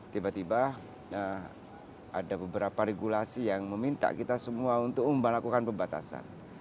tiba tiba ada beberapa regulasi yang meminta kita semua untuk melakukan pembatasan